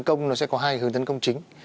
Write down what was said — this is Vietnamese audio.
hướng tấn công có hai hướng tấn công chính